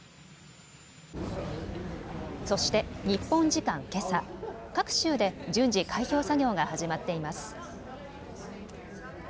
そして日本時間けさ、各州で順次開票作業が始まっています。